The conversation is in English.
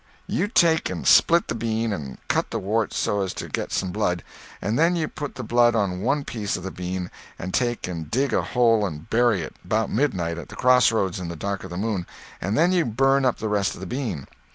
"You take and split the bean, and cut the wart so as to get some blood, and then you put the blood on one piece of the bean and take and dig a hole and bury it 'bout midnight at the crossroads in the dark of the moon, and then you burn up the rest of the bean.